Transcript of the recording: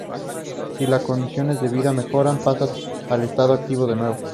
Si las condiciones de vida mejoran, pasa al estado activo de nuevo.